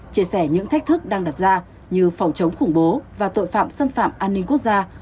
chia sẻ những thách thức đang đặt ra như phòng chống khủng bố và tội phạm xâm phạm an ninh quốc gia